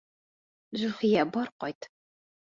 Зөлхиә, бар ҡайт!